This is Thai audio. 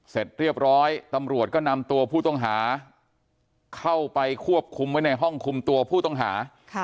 เสร็จเรียบร้อยตำรวจก็นำตัวผู้ต้องหาเข้าไปควบคุมไว้ในห้องคุมตัวผู้ต้องหา